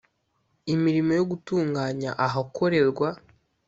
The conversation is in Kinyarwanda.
imirimo yo gutunganya ahakorerwa